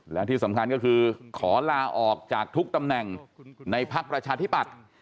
และที่สำคัญก็คือขอลาออกจากทุกตำแหน่งในพักประชาธิปัตย์